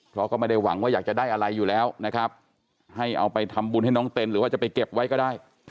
เพราะก็ไม่ได้หวังว่าอยากจะได้อะไรอยู่แล้วนะครับให้เอาไปทำบุญให้น้องเต้นหรือว่าจะไปเก็บไว้ก็ได้